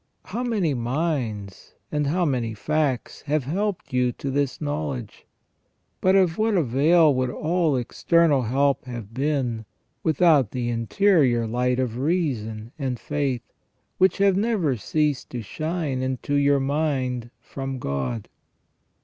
How many minds, and how many facts, have helped you to this knowledge ? But of what avail would all external help have been without the interior light of reason and faith, which FROM THE BEGINNING TO THE END OF MAN. 395 have never ceased to shine into your mind from God